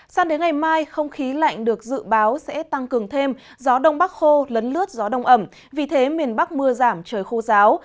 sang đến ngày mai không khí lạnh được dự báo sẽ tăng cường thêm gió đông bắc khô lấn lướt gió đông ẩm vì thế miền bắc mưa giảm trời khô giáo